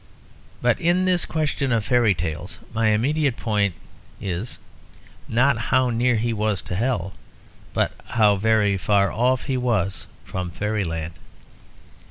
But in this question of fairy tales my immediate point is, not how near he was to hell, but how very far off he was from fairyland.